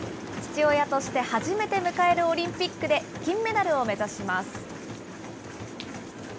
父親として初めて迎えるオリンピックで、金メダルを目指します。